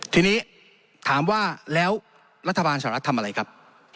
ทีนี้ถามว่าแล้วรัฐบาลสหรัฐทำอะไรครับ